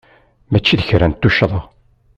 Mačči d kra n tuccḍa.